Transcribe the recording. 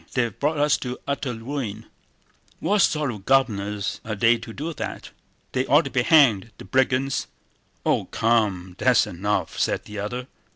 They've brought us to utter ruin! What sort of governors are they to do that? They ought to be hanged—the brigands!..." "Oh come, that's enough!" said the other.